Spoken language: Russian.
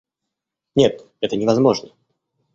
Нет, это невозможно.